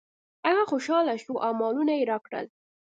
هغه خوشحاله شو او مالونه یې راکړل.